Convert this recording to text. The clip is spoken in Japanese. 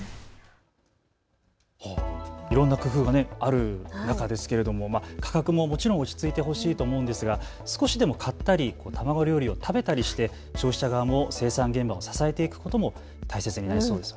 いろんな工夫がある中、価格ももちろん落ち着いてほしいと思うんですが、少しでも買ったり店の料理を食べたりして消費者側も生産現場を支えていくことも大切になりそうですね。